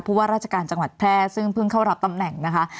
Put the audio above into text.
ว่าราชการจังหวัดแพร่ซึ่งเพิ่งเข้ารับตำแหน่งนะคะ